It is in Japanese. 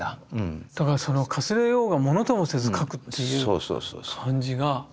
だからかすれようがものともせず描くっていう感じが。